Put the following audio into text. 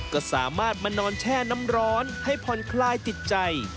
ก็สามารถมานอนแช่น้ำร้อนให้ผ่อนคลายติดใจ